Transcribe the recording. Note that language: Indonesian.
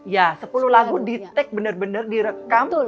ya sepuluh lagu di take benar benar direkam tuh